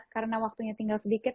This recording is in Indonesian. karena waktunya tinggal sedikit